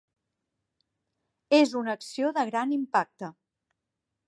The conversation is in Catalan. És una acció de gran impacte.